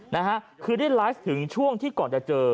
นะฮะคือได้ไลฟ์ถึงช่วงที่ก่อนจะเจอ